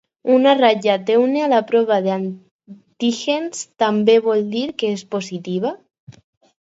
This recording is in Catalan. Una ratlla tènue a la prova d’antígens també vol dir que és positiva?